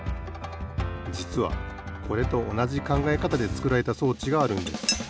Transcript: じつはこれとおなじかんがえかたで作られた装置があるんです。